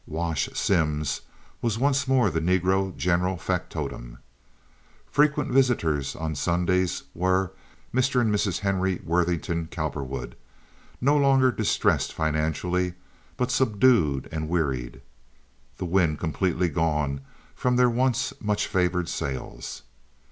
"Wash" Sims was once more the negro general factotum. Frequent visitors on Sundays were Mr. and Mrs. Henry Worthington Cowperwood, no longer distressed financially, but subdued and wearied, the wind completely gone from their once much favored sails.